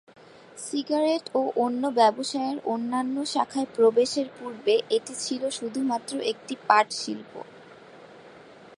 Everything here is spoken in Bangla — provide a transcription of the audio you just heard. সিগারেট ও অন্য ব্যবসায়ের অন্যান্য শাখায় প্রবেশের পূর্বে এটি ছিল শুধুমাত্র একটি পাট শিল্প।